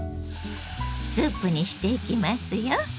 スープにしていきますよ。